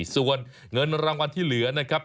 ส่วนเงินรางวัลที่เหลือนะครับ